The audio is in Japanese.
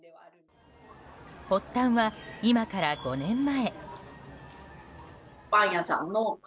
発端は今から５年前。